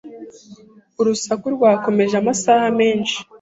Urusaku rwakomeje amasaha menshi.